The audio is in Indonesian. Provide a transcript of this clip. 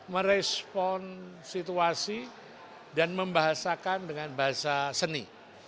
merespon situasi dan membahasakan dengan bahasa seni